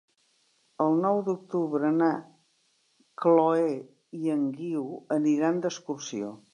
El nou d'octubre na Chloé i en Guiu aniran d'excursió.